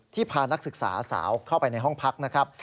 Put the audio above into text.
พานักศึกษาสาวเข้าไปในห้องพักนะครับ